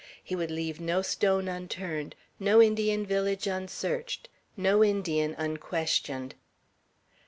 He would leave no stone unturned; no Indian village unsearched; no Indian unquestioned.